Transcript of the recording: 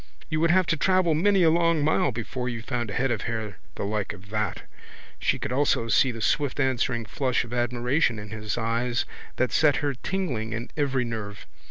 You would have to travel many a long mile before you found a head of hair the like of that. She could almost see the swift answering flash of admiration in his eyes that set her tingling in every nerve.